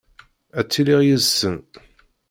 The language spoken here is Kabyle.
Ad ttiliɣ yid-sen.